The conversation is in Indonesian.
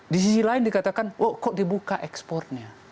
di sisi lain dikatakan kok dibuka ekspornya